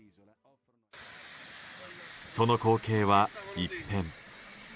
その光景は一変。